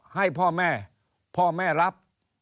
ให้พ่อแม่พ่อแม่รับ